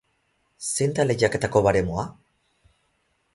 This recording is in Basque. Zein da lehiaketako baremoa?